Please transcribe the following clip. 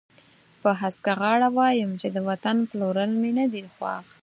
په هسکه غاړه وایم چې د وطن پلورل مې نه دي خوښ.